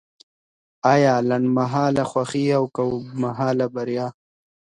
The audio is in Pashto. ایا لنډمهاله خوښي که اوږدمهاله بریا؟